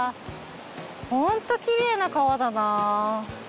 ホントきれいな川だな。